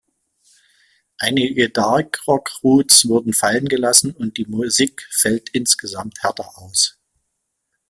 Einige Dark-Rock-Roots wurden fallen gelassen und die Musik fällt insgesamt härter aus.